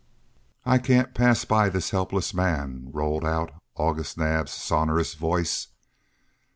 "I can't pass by this helpless man," rolled out August Naab's sonorous voice.